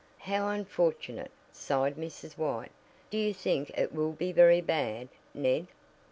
"How unfortunate!" sighed Mrs. White. "Do you think it will be very bad, Ned?"